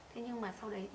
thế nhưng mà sau đấy